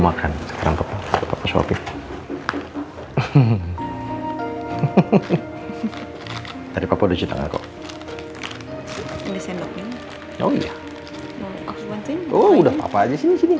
makan sekarang ke pasoknya hehehe hehehe tadi papa udah cita kok ini sendoknya oh iya